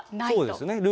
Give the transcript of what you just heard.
そうですね。